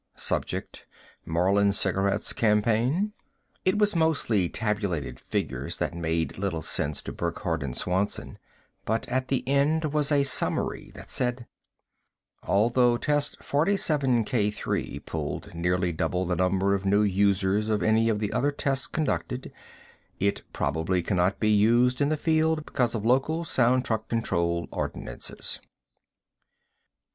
Subject: Marlin Cigarettes Campaign." It was mostly tabulated figures that made little sense to Burckhardt and Swanson, but at the end was a summary that said: Although Test 47 K3 pulled nearly double the number of new users of any of the other tests conducted, it probably cannot be used in the field because of local sound truck control ordinances.